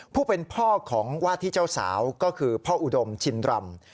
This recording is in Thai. ผู้เป็นพ่อของวาดที่เจ้าสาวก็คือพ่ออุดมชินรำ